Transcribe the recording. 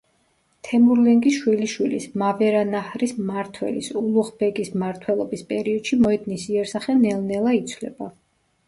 თემურლენგის შვილიშვილის მავერანაჰრის მმართველის, ულუღ ბეგის მმართველობის პერიოდში მოედნის იერსახე ნელ-ნელა იცვლება.